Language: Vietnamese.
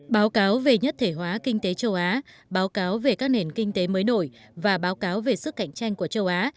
báo cáo về nhất thể hóa kinh tế châu á báo cáo về các nền kinh tế mới nổi và báo cáo về sức cạnh tranh của châu á